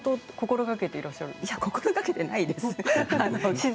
いや、心がけてないです。